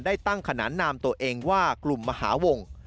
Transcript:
ได้ตั้งขนานนามตัวเองว่ากลุ่มมหาวง